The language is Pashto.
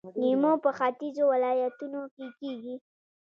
لیمو په ختیځو ولایتونو کې کیږي.